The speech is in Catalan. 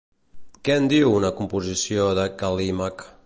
Què en diu una composició de Cal·límac?